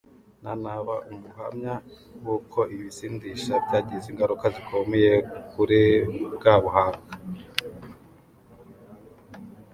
Nanaba umuhamya w’uko ibisindisha byagize ingaruka zikomeye kuri bwa buhanga.